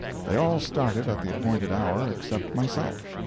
They all started at the appointed hour except myself.